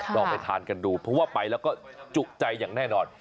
ลองไปทานกันดูเพราะว่าไปแล้วก็จุใจอย่างแน่นอน